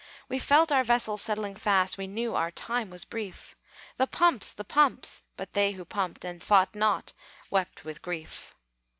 We felt our vessel settling fast, We knew our time was brief; "The pumps, the pumps!" But they who pumped, And fought not, wept with grief.